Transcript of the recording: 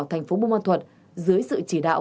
thành phố bông an thuật dưới sự chỉ đạo